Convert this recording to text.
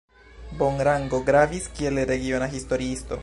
Von Rango gravis kiel regiona historiisto.